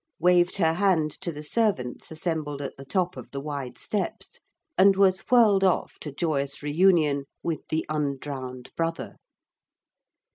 waved her hand to the servants assembled at the top of the wide steps, and was whirled off to joyous reunion with the undrowned brother.